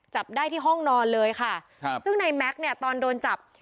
จับได้ที่ห้องนอนเลยค่ะครับซึ่งในแม็กซ์เนี่ยตอนโดนจับ